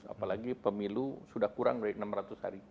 apalagi pemilu sudah kurang dari enam ratus hari